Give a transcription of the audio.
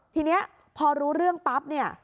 ทีนี้พอรู้เรื่องปั๊บเนี่ย